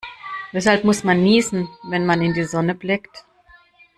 Weshalb muss man niesen, wenn man in die Sonne blickt?